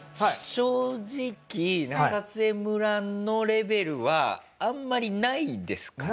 正直中津江村のレベルはあんまりないですかね？